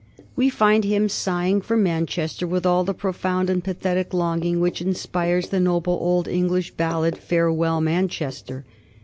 We find him sighing for Manchester with all the profound and pathetic longing which inspires the noble old English ballad of " Farewell, Manchester."